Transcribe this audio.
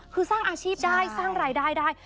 คือสร้างอาชีพได้สร้างรายได้ได้